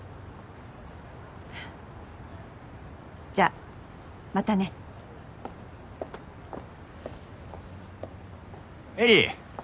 じゃあまたね絵里！